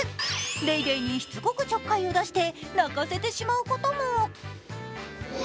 レイレイにしつこくちょっかいを出して泣かせてしまうことも。